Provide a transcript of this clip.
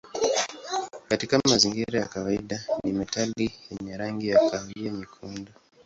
Katika mazingira ya kawaida ni metali yenye rangi ya kahawia nyekundu.